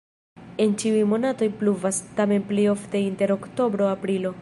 En ĉiuj monatoj pluvas, tamen plej ofte inter oktobro-aprilo.